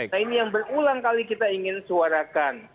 nah ini yang berulang kali kita ingin suarakan